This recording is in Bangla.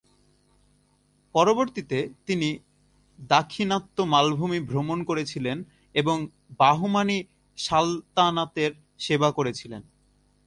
পরবর্তীতে তিনি দাক্ষিণাত্য মালভূমি ভ্রমণ করেছিলেন এবং বাহমানি সালতানাতের সেবা করেছিলেন।